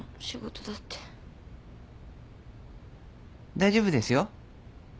大丈夫ですよ。